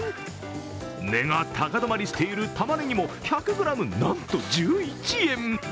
値が高止まりしているたまねぎも１００ｇなんと１１円。